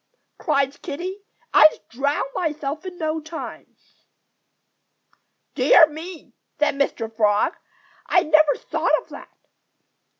cried Kiddie. "I'd drown myself in no time." "Dear me!" said Mr. Frog. "I never thought of that."